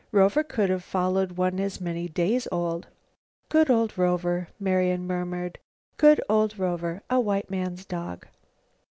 Rover could have followed one as many days old. "Good old Rover," Marian murmured, "good old Rover, a white man's dog."